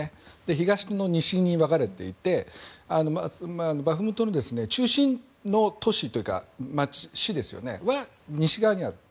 東と西に分かれていてバフムトの中心の都市というか市は西側にある。